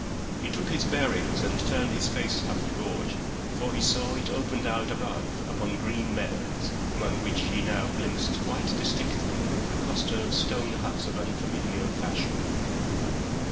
He took his bearings and turned his face up the gorge, for he saw it opened out above upon green meadows, among which he now glimpsed quite distinctly a cluster of stone huts of unfamiliar fashion.